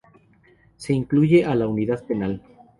Se incluye la Unidad Penal.